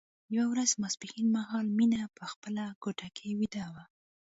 یوه ورځ ماسپښين مهال مينه په خپله کوټه کې ويده وه